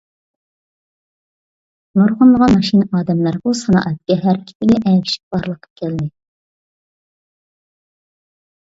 نۇرغۇنلىغان ماشىنا ئادەملەر بۇ سانائەتكە ھەرىكىتىگە ئەگىشىپ بارلىققا كەلدى.